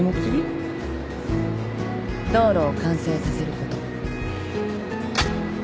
道路を完成させること。